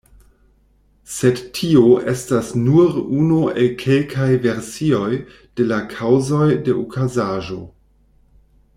Sed tio estas nur unu el kelkaj versioj de la kaŭzoj de okazaĵo.